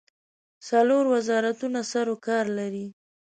څلور وزارتونه سروکار لري.